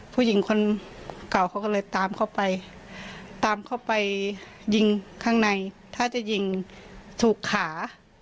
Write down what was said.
ผู้หญิงคนเก่าเขาก็เลยตามเขาไปตามเขาไปยิงข้างในถ้าจะยิงถูกขา